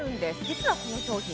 実はこの商品